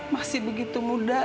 masih begitu muda